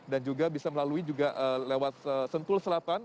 dan juga bisa melalui juga lewat sentul selapan